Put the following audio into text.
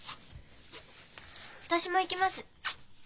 私も行きます！